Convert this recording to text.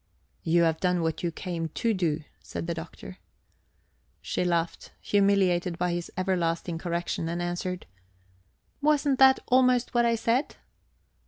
"You have done what you came to do," said the Doctor. She laughed, humiliated by his everlasting correction, and answered: "Wasn't that almost what I said?"